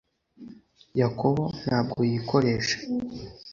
yakobo ntabwo yikoresha